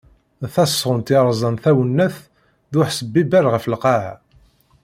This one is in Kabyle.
D tasɣunt yerzan tawennaṭ d useḥbiber ɣef Lqaɛa.